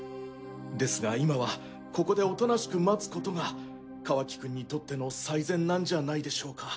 ですが今はここでおとなしく待つことがカワキくんにとっての最善なんじゃないでしょうか。